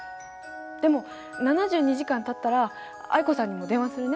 でも７２時間たったら藍子さんにも電話するね。